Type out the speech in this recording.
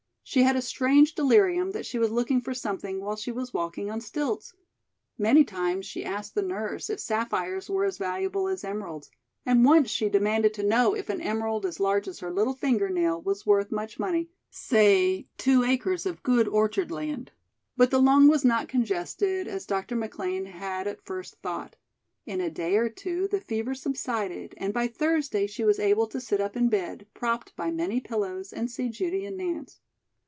She had a strange delirium that she was looking for something while she was walking on stilts. Many times she asked the nurse if sapphires were as valuable as emeralds, and once she demanded to know if an emerald as large as her little finger nail was worth much money, say, two acres of good orchard land. But the lung was not congested, as Dr. McLean had at first thought. In a day or two the fever subsided and by Thursday she was able to sit up in bed, propped by many pillows and see Judy and Nance.